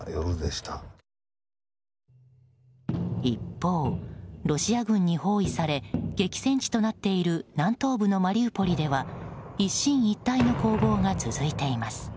一方、ロシア軍に包囲され激戦地となっている南東部のマリウポリでは一進一退の攻防が続いています。